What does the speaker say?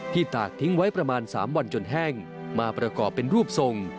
ตากทิ้งไว้ประมาณ๓วันจนแห้งมาประกอบเป็นรูปทรง